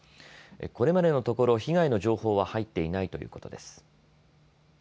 これまでのところ被害の情報は入っていないということです。